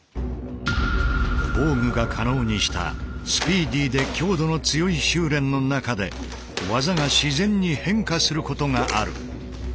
防具が可能にしたスピーディーで強度の強い修練の中で技が自然に変化することがある。